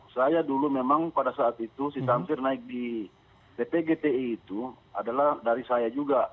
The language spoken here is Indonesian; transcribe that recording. saya dulu memang pada saat itu si tamsir naik di ppgti itu adalah dari saya juga